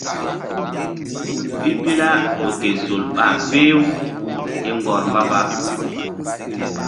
Pipila ƴo ke sol ɓa peh-u ke mgbɔr mba-mba.